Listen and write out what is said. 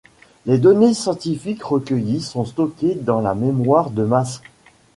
Les données scientifiques recueillies sont stockées dans la mémoire de masse.